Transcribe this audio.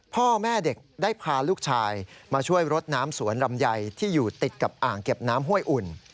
พ่อแม่เด็กได้พาลูกชายมาช่วยรดน้ำสวนลำไยที่อยู่ติดกับอ่างเก็บน้ำห้วยอุ่น